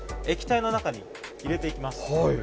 液体の中に入れていきます。